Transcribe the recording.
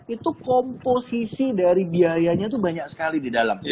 itu komposisi dari biayanya itu banyak sekali di dalam